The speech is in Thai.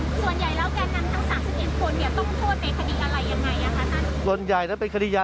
ส่วนใหญ่แล้วการนำทั้งสามสิบเอ็ดคนเนี่ยต้องโทษเป็นคดีอะไรยังไงอ่ะคะท่าน